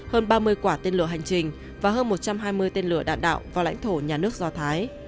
hơn ba mươi quả tên lửa hành trình và hơn một trăm hai mươi tên lửa đạn đạo vào lãnh thổ nhà nước do thái